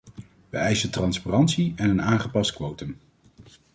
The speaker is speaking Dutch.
Wij eisen transparantie en een aangepast quotum.